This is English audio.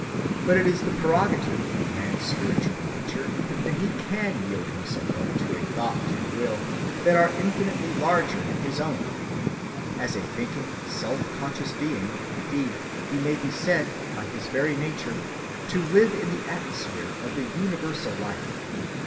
But it is the prerogative of man's spiritual nature that he can yield himself up to a thought and will that are infinitely larger than his own. As a thinking, self‐conscious being, indeed, he may be said, by his very nature, to live in the atmosphere of the Universal Life.